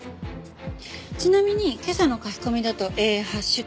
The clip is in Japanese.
ちなみに今朝の書き込みだとええ「＃